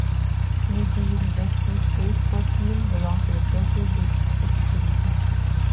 Meiji University's baseball team belongs to the Tokyo Big Six league.